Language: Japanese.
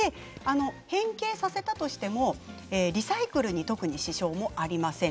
変形させたとしてもリサイクルに特に支障はありません。